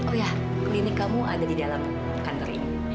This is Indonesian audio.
oh ya klinik kamu ada di dalam kantor ini